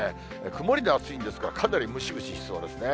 曇りで暑いんですから、かなりムシムシしそうですね。